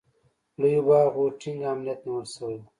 لوی باغ و، ټینګ امنیت نیول شوی و.